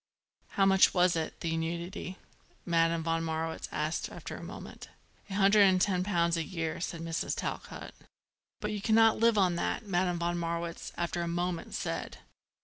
"How much was it, the annuity?" Madame von Marwitz asked after a moment. "A hundred and ten pounds a year," said Mrs. Talcott. "But you cannot live on that," Madame von Marwitz, after another moment, said.